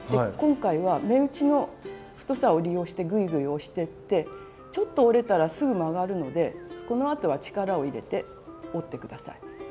今回は目打ちの太さを利用してグイグイ押していってちょっと折れたらすぐ曲がるのでこのあとは力を入れて折って下さい。